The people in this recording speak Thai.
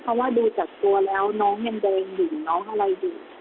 เพราะว่าดูจากตัวแล้วน้องยังแดงดิ่งน้องอะไรอยู่